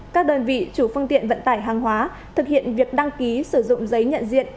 các đơn vị chủ phương tiện vận tải hàng hóa thực hiện việc đăng ký sử dụng giấy nhận diện